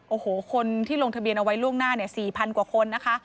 โอ้โหคนที่ลงทะเบียนเอาไว้ล่วงหน้า๔๐๐กว่าคนนะคะ